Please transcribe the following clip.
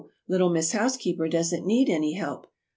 little Miss Housekeeper doesn't need any help.